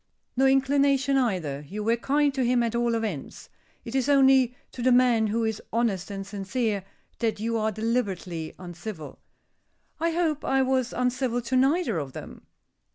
"No inclination, either. You were kind to him at all events. It is only to the man who is honest and sincere that you are deliberately uncivil." "I hope I was uncivil to neither of them."